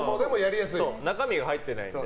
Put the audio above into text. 中身が入ってないので。